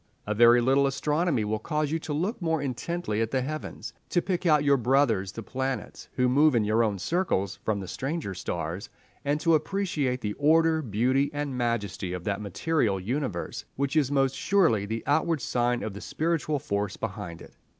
A very little astronomy will cause you to look more intently at the heavens, to pick out your brothers the planets, who move in your own circles, from the stranger stars, and to appreciate the order, beauty, and majesty of that material universe which is most surely the outward sign of the spiritual force behind it.